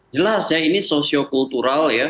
jelas ya ini sosio kultural ya